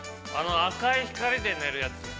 ◆赤い光で寝るやつ。